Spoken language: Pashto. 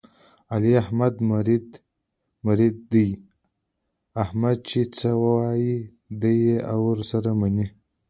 علي د احمد مرید دی، احمد چې څه وایي دی یې ور سره مني.